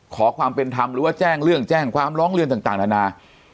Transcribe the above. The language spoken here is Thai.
ขอความเป็นธรรมหรือว่าแจ้งเรื่องแจ้งความร้องเรียนต่างนานา